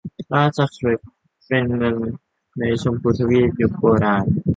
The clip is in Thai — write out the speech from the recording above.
ราชคฤห์ เป็นชื่อเมืองในชมพูทวีปยุคโบราณ